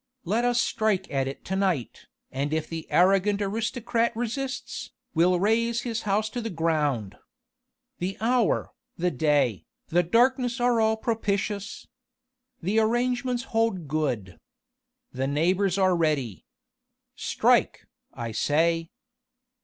Let us strike at it to night, and if the arrogant aristocrat resists, we'll raze his house to the ground. The hour, the day, the darkness are all propitious. The arrangements hold good. The neighbours are ready. Strike, I say!"